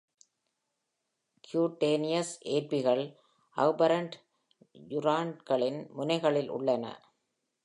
Cutaneous ஏற்பிகள் அஃப்ஃபரன்ட் ந்யூரான்களின் முனைகளில் உள்ளன.